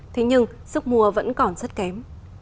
thế nhưng sức mua vẫn còn rất kém